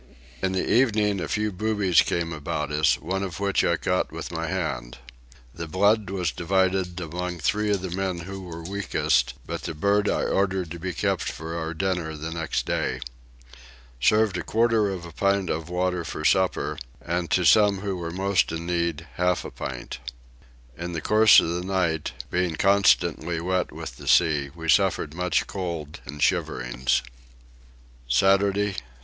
In the evening a few boobies came about us, one of which I caught with my hand. The blood was divided among three of the men who were weakest, but the bird I ordered to be kept for our dinner the next day. Served a quarter of a pint of water for supper, and to some who were most in need half a pint. In the course of the night, being constantly wet with the sea, we suffered much cold and shiverings. Saturday 6.